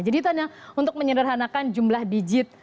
jadi itu hanya untuk menyederhanakan jumlah digit